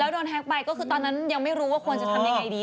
แล้วโดนแฮกไปก็คือตอนนั้นยังไม่รู้ว่าควรทำยังไงดีถูกนะ